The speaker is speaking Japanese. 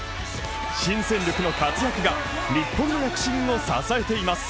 新戦力の活躍が日本の躍進をささえています。